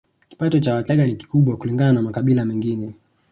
Kipato cha Wachagga ni kikubwa kulingana na cha makabila mengine